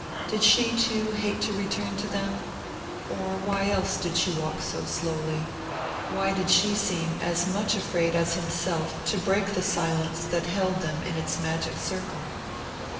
Did she, too, hate to return to them? Or why else did she walk so slowly why did she seem as much afraid as himself to break the silence that held them in its magic circle?